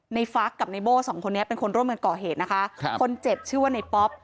ฟักกับในโบ้สองคนนี้เป็นคนร่วมกันก่อเหตุนะคะครับคนเจ็บชื่อว่าในป๊อป